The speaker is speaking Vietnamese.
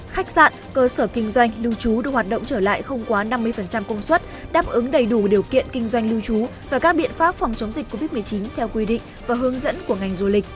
khách sạn cơ sở kinh doanh lưu trú được hoạt động trở lại không quá năm mươi công suất đáp ứng đầy đủ điều kiện kinh doanh lưu trú và các biện pháp phòng chống dịch covid một mươi chín theo quy định và hướng dẫn của ngành du lịch